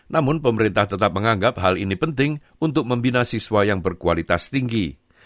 namun pemerintah tetap menganggap hal ini penting untuk membina siswa yang berkualitas tinggi